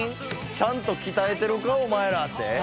「ちゃんときたえてるかおまえら」って？